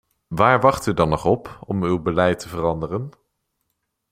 Waar wacht u dan nog op om uw beleid te veranderen?